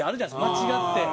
間違って。